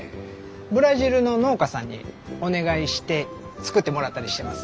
ブラジルの農家さんにお願いして作ってもらったりしてます。